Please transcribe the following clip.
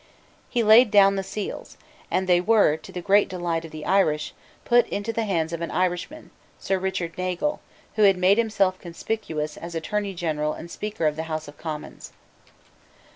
He laid down the seals; and they were, to the great delight of the Irish, put into the hands of an Irishman, Sir Richard Nagle, who had made himself conspicuous as Attorney General and Speaker of the House of Commons.